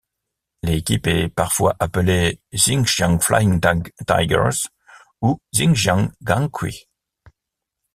L'équipe est parfois appelée Xinjiang Flying Tigers ou Xinjiang Guanghui.